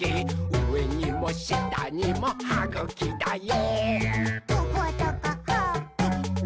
うえにもしたにもはぐきだよ！」